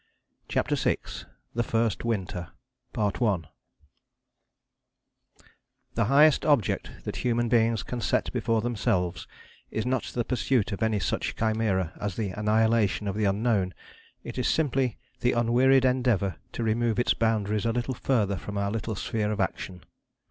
CHAPTER VI THE FIRST WINTER The highest object that human beings can set before themselves is not the pursuit of any such chimera as the annihilation of the unknown; it is simply the unwearied endeavour to remove its boundaries a little further from our little sphere of action.